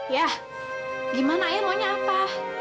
yah gimana ya maunya apa